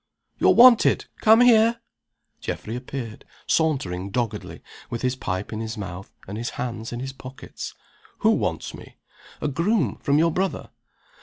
"You're wanted. Come here!" Geoffrey appeared, sauntering doggedly, with his pipe in his mouth, and his hands in his pockets. "Who wants me?" "A groom from your brother."